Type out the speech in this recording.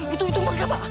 itu itu mereka pak